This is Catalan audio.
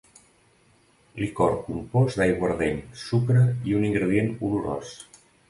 Licor compost d'aiguardent, sucre i un ingredient olorós.